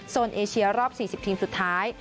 เอเชียรอบ๔๐ทีมสุดท้าย